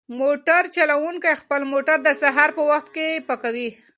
موټر چلونکی خپل موټر د سهار په وخت کې پاکوي.